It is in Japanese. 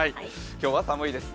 今日は寒いです